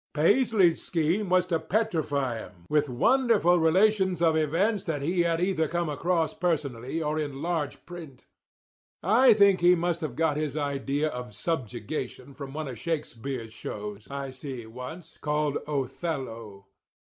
Paisley's scheme was to petrify 'em with wonderful relations of events that he had either come across personally or in large print. I think he must have got his idea of subjugation from one of Shakespeare's shows I see once called 'Othello.